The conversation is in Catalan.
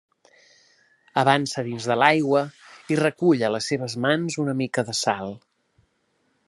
Avança dins de l'aigua i recull a les seves mans una mica de sal.